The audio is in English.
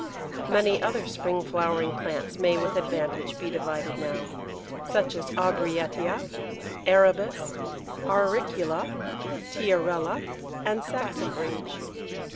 Many other spring flowering plants may with advantage be divided now, such as Aubrietia, Arabis, Auricula, Tiarella, and Saxifrage.